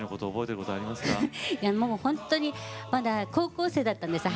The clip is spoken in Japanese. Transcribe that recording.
本当にまだ高校生だったんですね